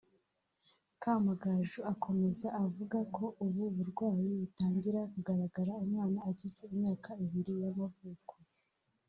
Kamagaju akomeza avuga ko ubu burwayi butangira kugaragara umwana agize imyaka ibiri y’amavuko